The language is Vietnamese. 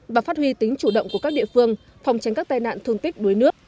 và phát huy tính chủ động của các địa phương phòng tránh các tai nạn thương tích đuối nước